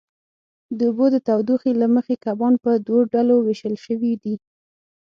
د اوبو د تودوخې له مخې کبان په دوو ډلو وېشل شوي دي.